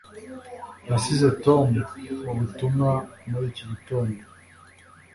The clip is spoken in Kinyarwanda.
nasize tom ubutumwa muri iki gitondo